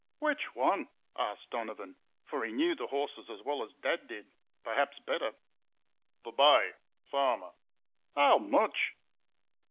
"Which one?" asked Donovan, for he knew the horses as well as Dad did perhaps better. "The bay Farmer." "How much?"